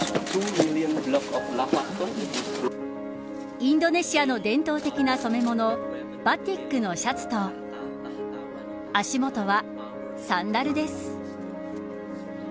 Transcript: インドネシアの伝統的な染め物バティックのシャツと足元はサンダルです。